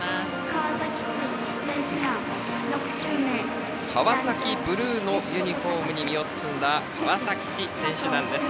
川崎ブルーのユニフォームに身を包んだ川崎市選手団です。